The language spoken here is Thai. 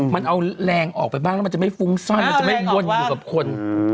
มันเอาแรงออกไปบ้างแล้วมันจะไม่ฟุ้งซ่อนมันจะไม่วนอยู่กับคน